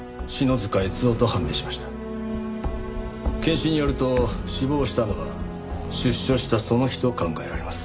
検視によると死亡したのは出所したその日と考えられます。